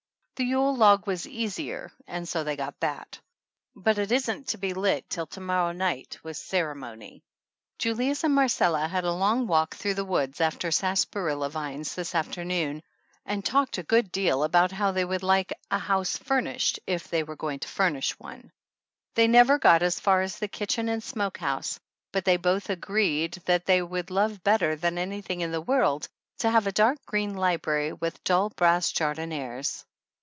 The Yule log was easier and so they got that, but it isn't to be lit till to morrow night with ceremony. Julius and Marcella had a long walk through the woods after sarsaparilla vines this after noon, and talked a good deal about how they would like a house furnished if they were going 111 to furnish one. They never got as far as the kitchen and smokehouse, but they both agreed that they would love better than anything in the world to have a dark green library with dull brass jardinieres.